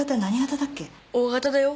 Ｏ型だよ。